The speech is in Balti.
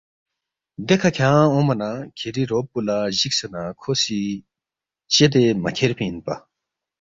دیکھہ کھیانگ اونگما نہ کِھری رُعب پو لہ جِکھسے نہ کھو سی چدے مہ کھیرفی اِنپا